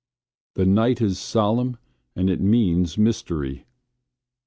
The night is solemn and it means mystery.